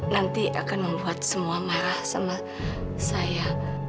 nanti akan membuat semua marah sama saya